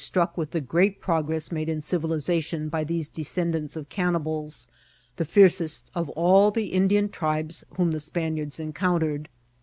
S9 ttniok with the great {WogreBe made in civilizatioii by thaee desomdants of oannibalsi the fiercest of all tho Indian tribes whom the Spaniards encountered.